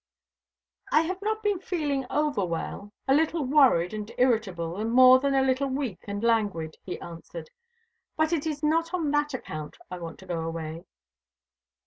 "I have not been feeling over well a little worried and irritable, and more than a little weak and languid," he answered. "But it is not on that account I want to go away.